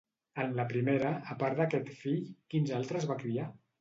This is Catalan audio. En la primera, a part d'aquest fill, quins altres va criar?